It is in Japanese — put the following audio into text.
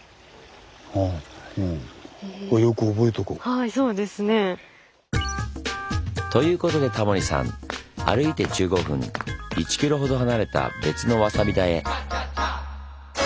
はいそうですね。ということでタモリさん歩いて１５分１ｋｍほど離れた別のわさび田へ。